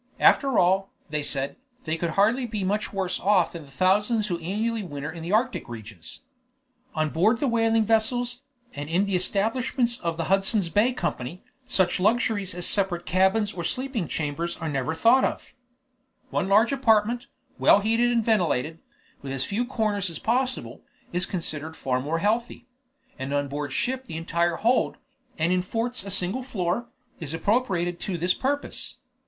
After all, they said, they should hardly be much worse off than thousands who annually winter in Arctic regions. On board the whaling vessels, and in the establishments of the Hudson's Bay Company, such luxuries as separate cabins or sleeping chambers are never thought of; one large apartment, well heated and ventilated, with as few corners as possible, is considered far more healthy; and on board ship the entire hold, and in forts a single floor, is appropriated to this purpose.